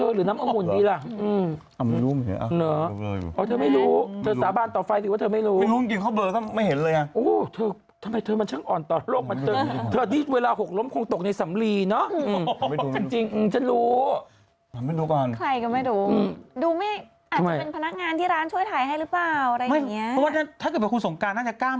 หรือว่าเขานี่ไงดูสิคนก็ยังไปจับตาไปสังเกตอยู่ในกระจก